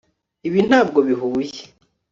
ibi ntabwo bihuye